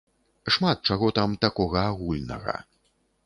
Шмат чаго там такога, агульнага.